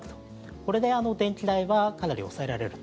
これで電気代はかなり抑えられると。